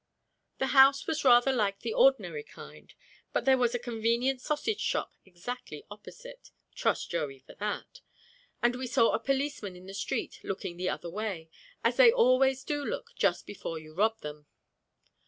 The house was rather like the ordinary kind, but there was a convenient sausage shop exactly opposite (trust Joey for that) and we saw a policeman in the street looking the other way, as they always do look just before you rub them.